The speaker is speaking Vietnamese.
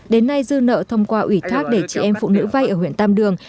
đến nay dư nợ thông qua ủy thác để chị em phụ nữ vay ở huyện tam đường